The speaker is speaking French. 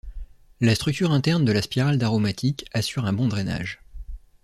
La structure interne de la spirale d'aromatiques assure un bon drainage.